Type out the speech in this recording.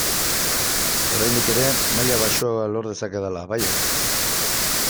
Oraindik ere maila baxuagoa lor dezakedala baietz!